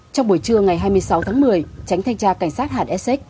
trong buổi trưa ngày hai mươi sáu tháng một mươi tránh thanh tra cảnh sát hạn sx